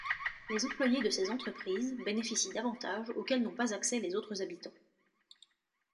Les employés de ces entreprises bénéficient d'avantages auxquels n'ont pas accès les autres habitants.